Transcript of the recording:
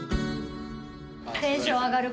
テンション上がる